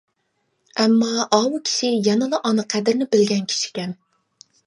ئەمما ئاۋۇ كىشى يەنىلا ئانا قەدرىنى بىلگەن كىشىكەن.